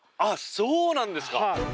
そうなんですか。